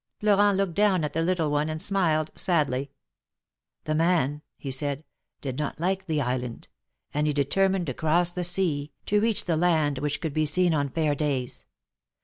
Florent looked down at the little one and smiled sadly. " The man," he said, " did not like the island, and he determined to cross the sea, to reach the land which could just be seen on fair days.